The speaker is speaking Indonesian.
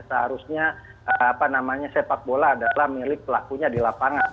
seharusnya sepak bola adalah milik pelakunya di lapangan